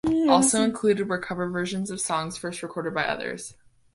Also included were cover versions of songs first recorded by others.